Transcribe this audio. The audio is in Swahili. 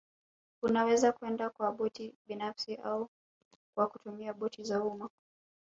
Unaweza kwenda kwa boti binafsi au kwa kutumia boti za umma